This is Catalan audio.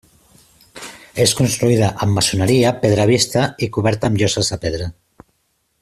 És construïda amb maçoneria, pedra vista i coberta amb lloses de pedra.